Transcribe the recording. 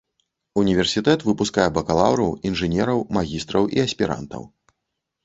Універсітэт выпускае бакалаўраў, інжынераў, магістраў і аспірантаў.